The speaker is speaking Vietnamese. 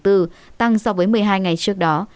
tăng so với một mươi hai ngày trước đó